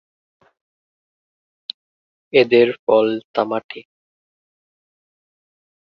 এদের ফল তামাটে।